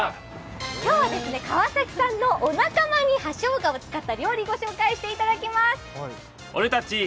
今日は川崎さんのお仲間に葉しょうがを使ったお料理を紹介していただきます。